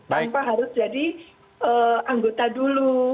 lalu pak harus jadi anggota dulu